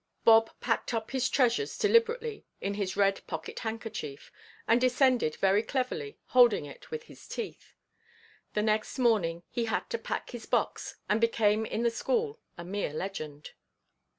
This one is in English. Bob packed up his treasures deliberately in his red pocket–handkerchief, and descended very cleverly, holding it with his teeth. The next morning he had to pack his box, and became in the school a mere legend.